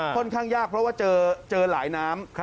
ค่อนข้างยากเพราะว่าเจอหลายน้ำ